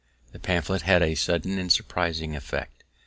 The pamphlet had a sudden and surprising effect.